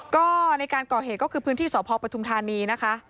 ก็ในการก่อเหตุก็คือพื้นที่สพปทุมธานีนะคะ